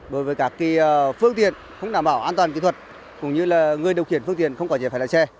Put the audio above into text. đối với các phương tiện không đảm bảo an toàn kỹ thuật cũng như là người điều khiển phương tiện không có dễ phải lái xe